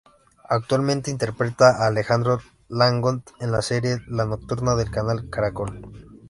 Actualmente interpreta a Alejandro Dangond en la serie La nocturna del Canal Caracol.